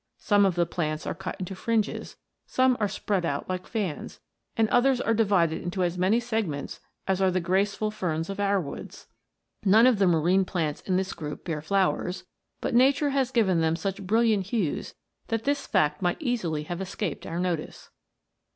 some of the plants are cut into fringes, some are spread out like fans ; and others are divided into as many segments as are the graceful ferns of our woods. None of the marine plants in this group bear flowers, but nature has given them such bril liant hues that this fact might easily have escaped our notice.